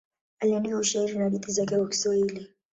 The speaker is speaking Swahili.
Aliandika ushairi na hadithi zake kwa Kiswahili.